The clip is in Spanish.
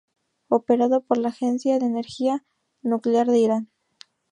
Operado por la Agencia de Energía Nuclear de Irán.